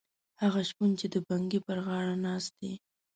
هغه شپون چې د بنګي پر غاړه ناست دی.